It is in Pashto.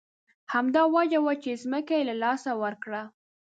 همدا وجه وه چې ځمکه یې له لاسه ورکړه.